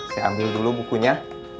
saya ambil dulu bukunya